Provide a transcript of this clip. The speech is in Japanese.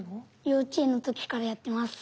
幼稚園の時からやってます。